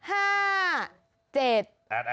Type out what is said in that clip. แอดแอด